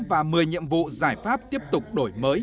và một mươi nhiệm vụ giải pháp tiếp tục đổi mới